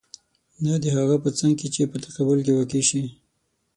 نه د هغه په څنګ کې چې په تقابل کې واقع شي.